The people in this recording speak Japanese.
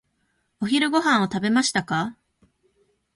お昼ご飯を食べましたか？